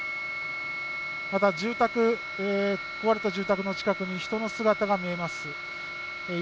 また壊れた住宅の近くに人の姿が見えます。